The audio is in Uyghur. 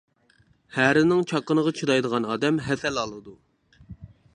ھەرىنىڭ چاققىنىغا چىدايدىغان ئادەم ھەسەل ئالىدۇ.